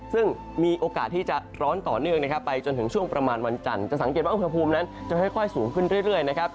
ซึ่งมีโอกาสที่จะร้อนต่อเนื่องนะครับไปจนถึงช่วงประมาณวันจันทร์จะสังเกตว่าอุณหภูมินั้นจะค่อยสูงขึ้นเรื่อยนะครับ